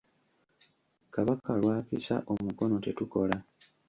Kabaka lw’akisa omukono tetukola.